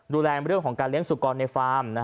ดูแลเรื่องของการเลี้ยงสุกรในฟาร์ม